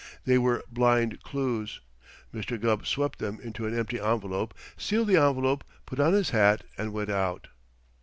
They were blind clues. Mr. Gubb swept them into an empty envelope, sealed the envelope, put on his hat and went out.